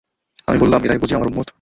আমি বললাম, এরাই বুঝি আমার উম্মত।